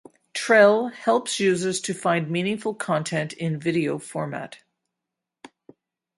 Trell helps users to find meaningful content in video format.